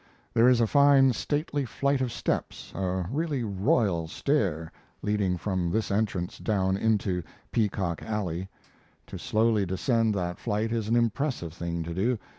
There is a fine, stately flight of steps a really royal stair leading from this entrance down into "Peacock Alley." To slowly descend that flight is an impressive thing to do.